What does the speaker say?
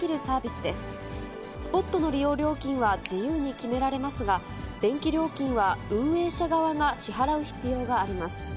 スポットの利用料金は自由に決められますが、電気料金は運営者側が支払う必要があります。